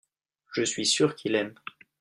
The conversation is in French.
je suis sûr qu'il aime.